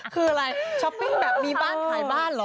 คืออะไรช้อปปิ้งแบบมีบ้านขายบ้านเหรอ